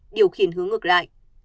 điều khiển hướng ngược lại